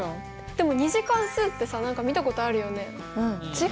でも「２次関数」ってさ何か見たことあるよね。